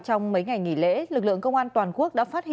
trong mấy ngày nghỉ lễ lực lượng công an toàn quốc